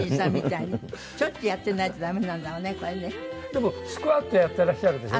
でもスクワットやってらっしゃるでしょ？